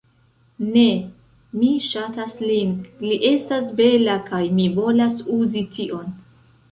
Ne! Mi ŝatas lin, li estas bela kaj mi volas uzi tion.